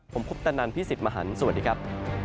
ผมพุทธนันทร์พี่สิทธิ์มหันธ์สวัสดีครับ